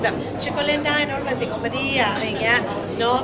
ชิคกี้พายก็เล่นได้นะแบบอินติกอมเมอตี้อะไรอย่างนี้